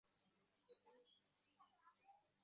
এ কারণেই দক্ষিণ কোরিয়ার হারামিদের, -বিশ্বাস করতে নেই।